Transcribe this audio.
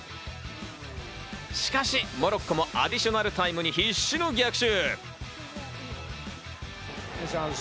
しかしモロッコもアディショナルタイムに必死の逆襲。